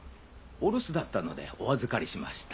お留守だったのでお預かりしました。